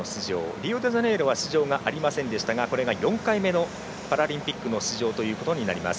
リオデジャネイロは出場がありませんでしたがこれが４回目のパラリンピック出場。